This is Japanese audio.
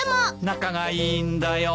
仲がいいんだよ。